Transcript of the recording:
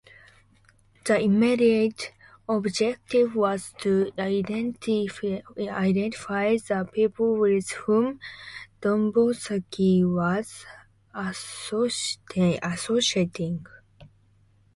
The immediate objective was to identify the people with whom Dombrowski was associating.